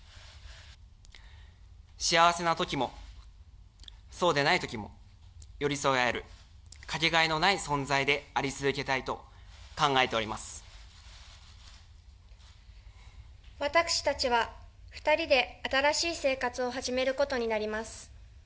幸せなときも、そうでないときも寄り添い合える掛けがえのない存在であり続けた私たちは、２人で新しい生活を始めることになります。